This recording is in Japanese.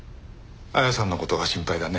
亜矢さんの事が心配だね。